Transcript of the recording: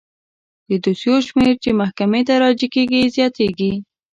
د دوسیو شمیر چې محکمې ته راجع کیږي زیاتیږي.